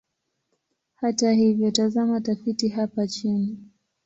Hata hivyo, tazama tafiti hapa chini.